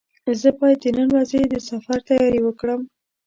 زه باید د نن ورځې د سفر تیاري وکړم.